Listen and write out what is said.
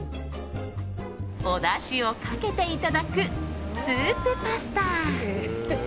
おだしをかけていただくスープパスタ。